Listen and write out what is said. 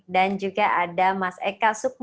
dan juga ada mas eka sukarno